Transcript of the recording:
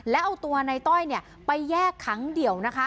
แล้วเอาตัวในต้อยไปแยกขังเดี่ยวนะคะ